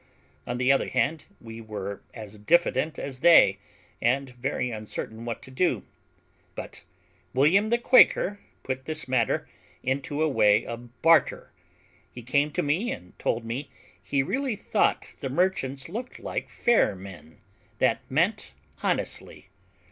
On the other hand, we were as diffident as they, and very uncertain what to do; but William the Quaker put this matter into a way of barter. He came to me and told me he really thought the merchants looked like fair men, that meant honestly.